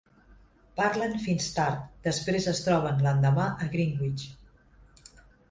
Parlen fins tard, després es troben l"endemà a Greenwich.